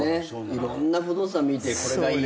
いろんな不動産見て「これがいい」